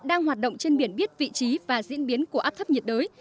đang hoạt động trên biển biết vị trí và diễn biến của áp thấp nhiệt đới